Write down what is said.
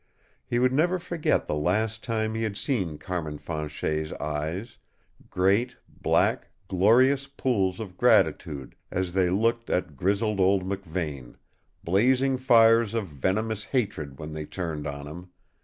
He would never forget the last time he had seen Carmin Fanchet's eyes great, black, glorious pools of gratitude as they looked at grizzled old McVane; blazing fires of venomous hatred when they turned on him.